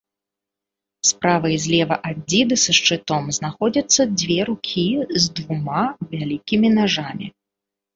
Справа і злева ад дзіды са шчытом знаходзяцца дзве рукі, з двума вялікімі нажамі.